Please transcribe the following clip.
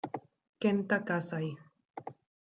Kenta Kasai